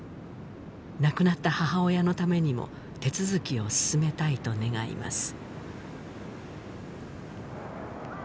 亡くなった母親のためにも手続きを進めたいと願います